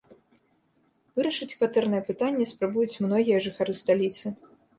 Вырашыць кватэрнае пытанне спрабуюць многія жыхары сталіцы.